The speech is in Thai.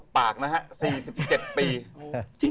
ปากนะฮะ๔๗ปี